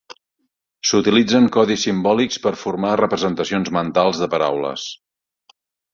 S'utilitzen codis simbòlics per formar representacions mentals de paraules.